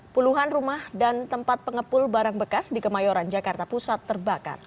puluhan rumah dan tempat pengepul barang bekas di kemayoran jakarta pusat terbakar